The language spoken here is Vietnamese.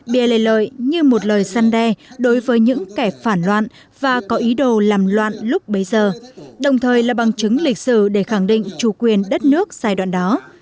bia lê lợi như một lời săn đe đối với những kẻ phản loạn và có ý đồ làm loạn lúc bấy giờ đồng thời là bằng chứng lịch sử để khẳng định chủ quyền đất nước giai đoạn đó